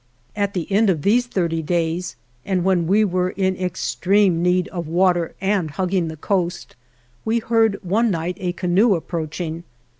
At the end of these thirty days, and when we were in extreme need of water and hug ging the coast, we heard one night a canoe approaching.